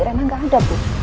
rena gak ada bu